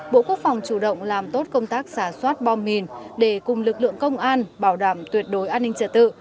bộ quốc phòng chủ động làm tốt công tác xả soát bom mìn để cùng lực lượng công an bảo đảm tuyệt đối an ninh trật tự